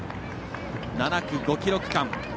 ７区５ｋｍ区間。